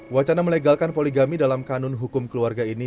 wacana melegalkan poligami dalam kanun hukum keluarga ini